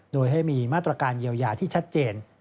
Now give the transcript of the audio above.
โดยให้มีมาตรการเยียวยาที่ชัดเจน